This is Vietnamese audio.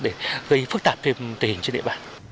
để gây phức tạp tình hình trên địa bàn